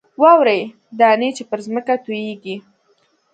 واورې دانې چې پر ځمکه تویېږي.